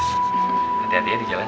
hati hatinya di jalan